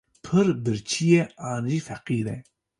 Pir birçî ye an jî feqîr e.